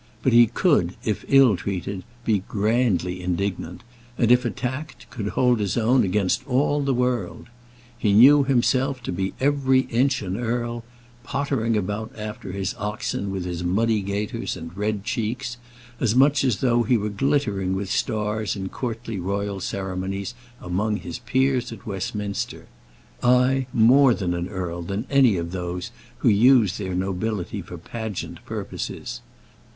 But he could, if ill treated, be grandly indignant; and if attacked, could hold his own against all the world. He knew himself to be every inch an earl, pottering about after his oxen with his muddy gaiters and red cheeks, as much as though he were glittering with stars in courtly royal ceremonies among his peers at Westminster; ay, more an earl than any of those who use their nobility for pageant purposes.